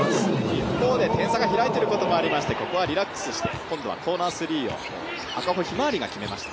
一方で点差が開いていることもありまして、リラックスして今度はコーナースリーを赤穂ひまわりが決めました。